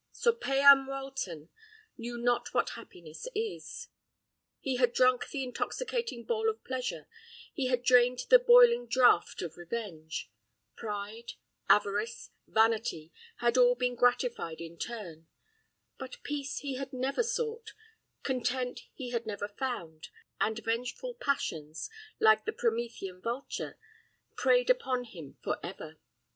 Sir Payan Wileton knew not what happiness is. He had drunk the intoxicating bowl of pleasure, he had drained the boiling draught of revenge: pride, avarice, vanity, had all been gratified in turn; but peace he had never sought, content he had never found, and vengeful passions, like the Promethean vulture, preyed upon him for ever.